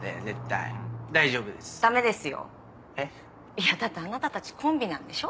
いやだってあなたたちコンビなんでしょ？